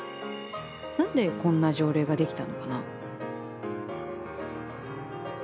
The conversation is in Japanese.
何でこんな条例ができたのかな？